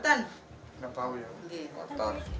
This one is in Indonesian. pindah ke dunia hi under